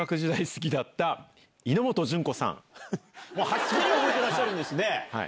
はっきり覚えてらっしゃるんですね！